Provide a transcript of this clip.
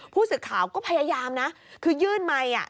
ผู้สิทธิ์ข่าวก็พยายามคือยื่นไมค์